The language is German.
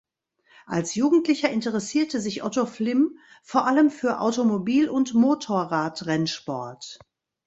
Als Jugendlicher interessierte sich Otto Flimm vor allem für Automobil- und Motorradrennsport.